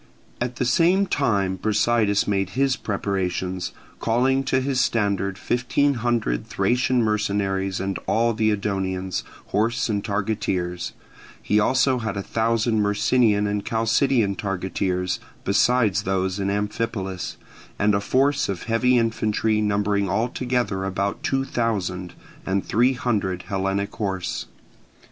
At the same time Brasidas made his preparations, calling to his standard fifteen hundred Thracian mercenaries and all the Edonians, horse and targeteers; he also had a thousand Myrcinian and Chalcidian targeteers, besides those in Amphipolis, and a force of heavy infantry numbering altogether about two thousand, and three hundred Hellenic horse.